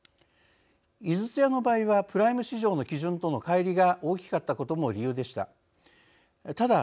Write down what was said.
井筒屋の場合はプライム市場の基準とのかい離が大きかったことも理由でした。